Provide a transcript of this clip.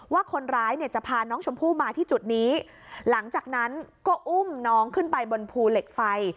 ว่าคนร้ายเนี่ยจะพาน้องชมพู่มาที่จุดนี้หลังจากนั้นก็อุ้มน้องขึ้นไปบนภูเหล็กไฟ